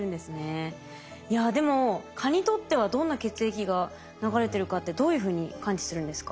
いやでも蚊にとってはどんな血液が流れてるかってどういうふうに感知するんですか？